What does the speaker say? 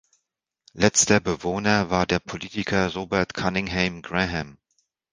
Letzter Bewohner war der Politiker Robert Cunninghame Graham.